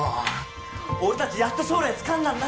俺達やっと将来つかんだんだ